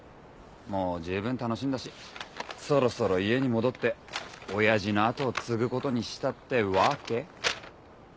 もう十分楽しんだしそろそろ家に戻って親父の後を継ぐ事にしたってわけ。